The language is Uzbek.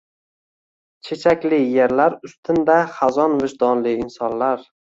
Chechakli yerlar ustinda xazon vijdonli insonlar